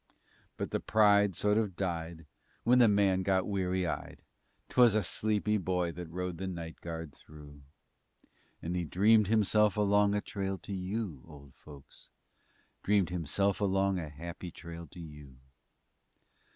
But the pride sort of died when the man got weary eyed; 'Twas a sleepy boy that rode the night guard through, And he dreamed himself along a trail to you, Old folks, Dreamed himself along a happy trail to you.